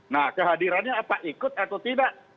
nah kehadirannya apa ikut atau tidak